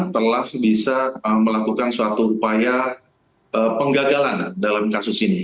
telah bisa melakukan suatu upaya penggagalan dalam kasus ini